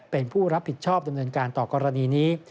เป็นผู้รับผิดชอบดำเนินการต่อกรณีนี้